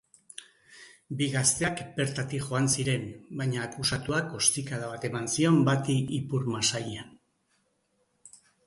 Bi gazteak bertatik joan ziren baina akusatuak ostikada bat eman zion bati ipurmasailean.